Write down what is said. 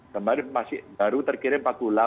kemarin masih baru terkirim empat puluh delapan